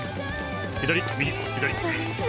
左右左右。